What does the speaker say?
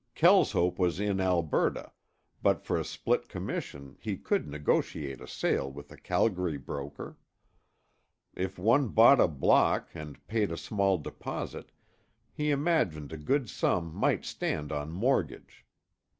Kelshope was in Alberta, but for a split commission he could negotiate a sale with the Calgary broker. If one bought a block and paid a small deposit, he imagined a good sum might stand on mortgage.